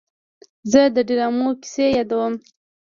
زه د ډرامو کیسې یادوم.